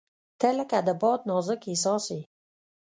• ته لکه د باد نازک احساس یې.